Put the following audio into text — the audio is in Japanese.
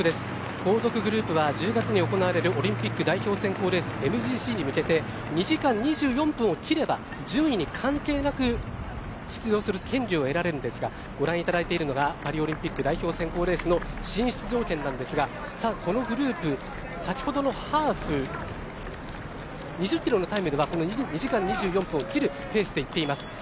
後続グループは１０月に行われるオリンピック代表選考レースＭＧＣに向けて２時間２４分を切れば順位に関係なく出場する権利を得られるんですがご覧いただいているのがパリオリンピック代表選考レースの進出条件なんですがこのグループ、先ほどのハーフ２０キロのタイムではこの２時間２４分を切るペースで行っています。